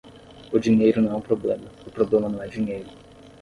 O dinheiro não é um problema, o problema não é dinheiro